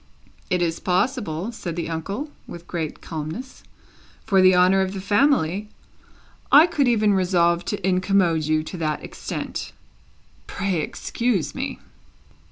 "It is possible," said the uncle, with great calmness. "For the honour of the family, I could even resolve to incommode you to that extent. Pray excuse me!"